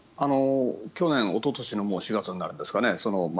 去年、おととしの４月になるんですかね